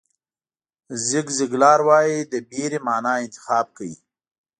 زیګ زیګلار وایي د وېرې معنا انتخاب کړئ.